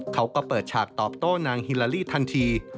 เขาก็เปิดฉากตอบโต้นางฮิลาลี่ทันที